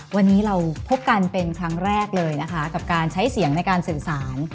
วันนี้เราพบกันเป็นครั้งแรกเลยนะคะกับการใช้เสียงในการสื่อสาร